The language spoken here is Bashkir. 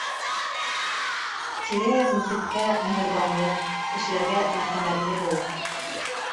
Тирә-яҡ мөхиткә миһырбанлы, кешеләргә мәрхәмәтле бул!